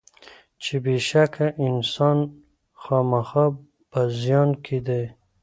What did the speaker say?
چې بېشکه انسان خامخا په زیان کې دی.